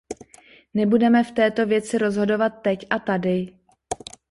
Nebudeme v této věci rozhodovat teď a tady.